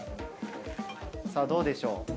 さあどうでしょう？